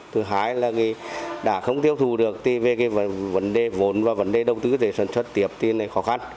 thứ hai là người đã không tiêu thụ được thì về vấn đề vốn và vấn đề đầu tư để sản xuất tiệp thì khó khăn